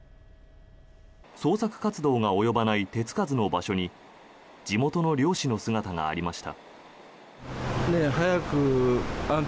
捜索活動が及ばない手付かずの場所に地元の漁師の姿がありました。